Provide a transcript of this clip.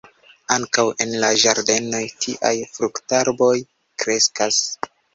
Ankaŭ en la ĝardenoj tiaj fruktarboj kreskas.